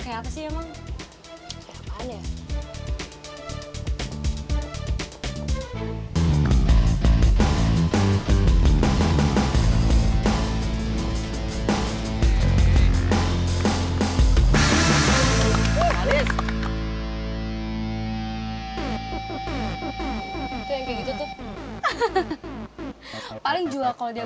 ke jahat sih raga jajah